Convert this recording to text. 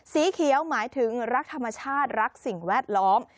สีเขียวหมายถึงรักธรรมชาติรักสิ่งแวดล้อม